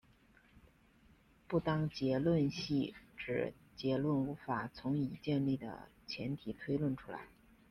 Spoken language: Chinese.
不当结论系指结论无法从已建立的前提推论出来。